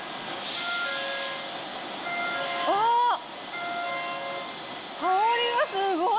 わーっ、香りがすごい。